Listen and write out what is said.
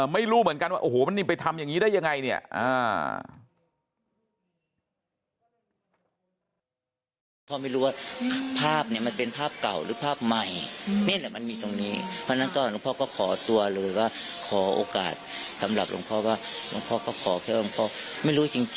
ไม่รู้เหมือนกันโอ้โฮมันเป็นไปทำอย่างนี้ได้ยังไง